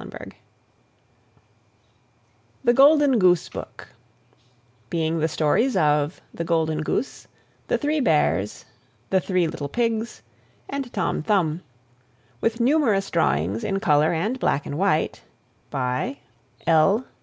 ] THE GOLDEN GOOSE BOOK BEING THE STORIES OF THE GOLDEN GOOSE THE THREE BEARS THE 3 LITTLE PIGS TOM THUMB With numerous Drawings in Colour and Black and White by L.